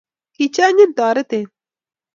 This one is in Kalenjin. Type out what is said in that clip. Kichengin toretet